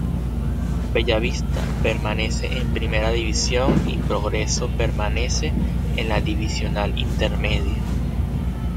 Bella Vista permanece en Primera División y Progreso permanece en la Divisional Intermedia.